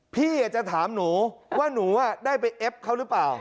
พี่จะถามหนูว่าหนูได้ไปเอฟเขาหรือเปล่า